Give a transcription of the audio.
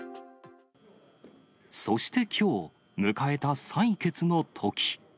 そしてきょう、迎えた採決のとき。